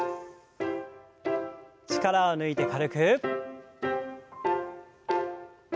力を抜いて軽く。